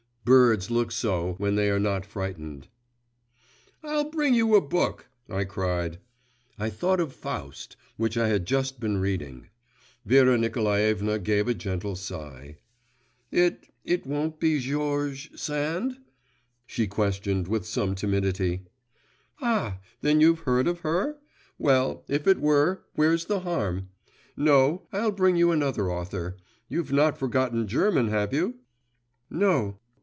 Birds look so when they are not frightened. 'I'll bring you a book!' I cried. (I thought of Faust, which I had just been reading.) Vera Nikolaevna gave a gentle sigh. 'It it won't be Georges Sand?' she questioned with some timidity. 'Ah! then you've heard of her? Well, if it were, where's the harm?… No, I'll bring you another author. You've not forgotten German, have you?' 'No.